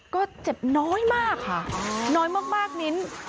ก็เจ็บน้อยมากค่ะน้อยมากมิ้น